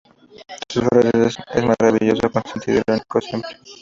Su frase es: ""Eso es maravilloso"", con sentido irónico siempre.